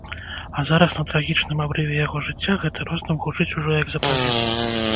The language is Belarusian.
А зараз, на трагічным абрыве яго жыцця, гэты роздум гучыць ужо як запавет.